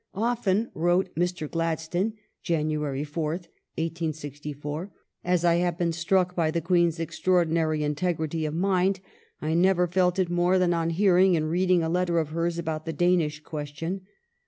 " Often," /wrote Mr. Gladstone (Jan. 4th, 1864), *'as I have been struck by the Queen's extraordinary integrity of mind ... I never felt it more than on hearing and reading a letter of hers ... about the Danish question.